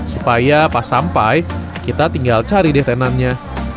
supaya pas sampai kita tinggal cari deh tenannya